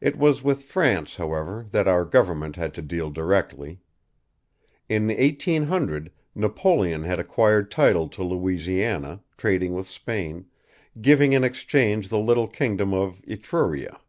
It was with France, however, that our government had to deal directly. In 1800 Napoleon had acquired title to Louisiana, trading with Spain, giving in exchange the little kingdom of Etruria.